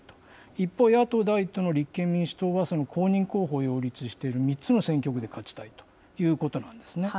一方、野党第１党の立憲民主党は、その公認候補を擁立している３つの選挙区で勝ちたいということなんですね。